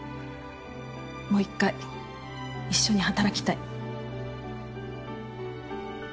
もう１回一緒に働きたい。